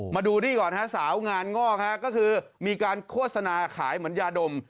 มาดูนี่ก่อนฮะสาวงานงอกฮะก็คือมีการโฆษณาขายเหมือนยาดม